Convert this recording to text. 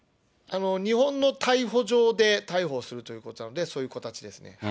日本の逮捕状で逮捕するということなので、そういう形です。